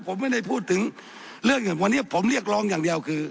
หวันนี้ผมเรียกรองอย่างเดียวคือ